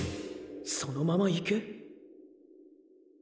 「そのまま行け」？